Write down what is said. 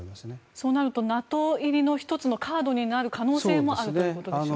そうなるとＮＡＴＯ入りの１つのカードになる可能性もあるということでしょうか。